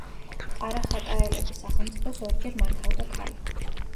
ყარახატაელების სახელმწიფოს ორჯერ მართავდა ქალი.